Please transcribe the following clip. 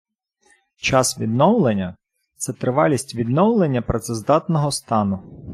Час відновлення - це тривалість відновлення працездатного стану.